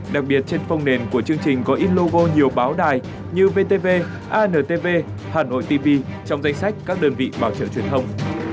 đặc biệt trên phông nền của chương trình có ít logo nhiều báo đài như vtv antv hanoi tv trong danh sách các đơn vị bảo trợ truyền thông